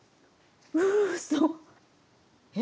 うそ。